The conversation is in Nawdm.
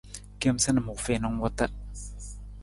Kemasanam u fiin ng wuta.